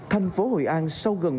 thành phố hội an sau gần